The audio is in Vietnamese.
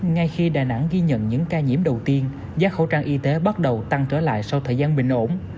ngay khi đà nẵng ghi nhận những ca nhiễm đầu tiên giá khẩu trang y tế bắt đầu tăng trở lại sau thời gian bình ổn